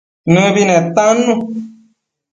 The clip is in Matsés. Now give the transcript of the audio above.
Nëbi netannu